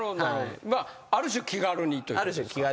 まあある種気軽にということですか。